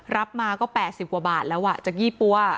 รับมาก็๘๐กว่าบาทแล้วจากยี่ปั๊ว